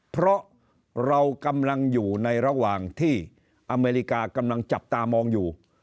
เพราะเรากำลังอยู่ในระหว่างที่อเมริกากำลังจับตามองอยู่